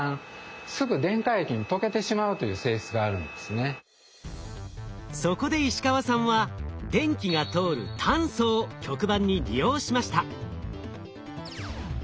せっかくそこで石川さんは電気が通る炭素を極板に利用しました。